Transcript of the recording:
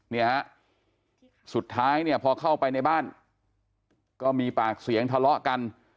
เนี่ยฮะสุดท้ายเนี่ยพอเข้าไปในบ้านก็มีปากเสียงทะเลาะกัน